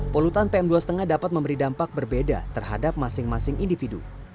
polutan pm dua lima dapat memberi dampak berbeda terhadap masing masing individu